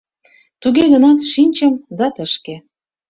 Туге гынат, шинчым — да тышке.